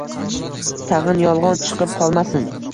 Тag‘in yolg‘on chiqib qolmasin